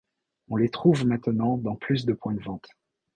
On les trouve maintenant dans plus de points de vente.